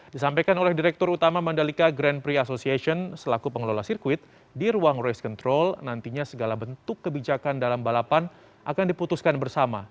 disampaikan oleh direktur utama mandalika grand prix association selaku pengelola sirkuit di ruang race control nantinya segala bentuk kebijakan dalam balapan akan diputuskan bersama